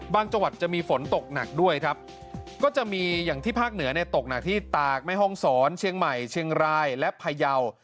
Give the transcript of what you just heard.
จังหวัดจะมีฝนตกหนักด้วยครับก็จะมีอย่างที่ภาคเหนือเนี่ยตกหนักที่ตากแม่ห้องศรเชียงใหม่เชียงรายและพยาว